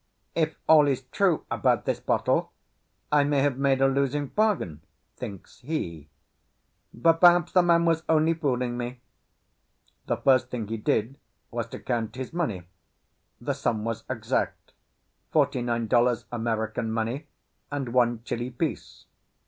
"If all is true about this bottle, I may have made a losing bargain," thinks he. "But perhaps the man was only fooling me." The first thing he did was to count his money; the sum was exact—forty nine dollars American money, and one Chili piece.